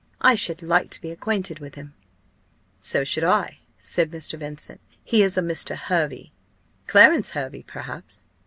I should like to be acquainted with him." "So should I," said Mr. Vincent: "he is a Mr. Hervey." "Clarence Hervey, perhaps?"